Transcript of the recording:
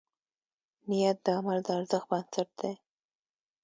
نیت د عمل د ارزښت بنسټ دی.